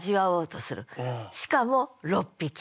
しかも六匹。